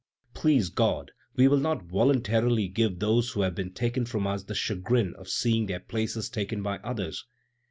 Please God, we will not voluntarily give those who have been taken from us the chagrin of seeing their places taken by others!"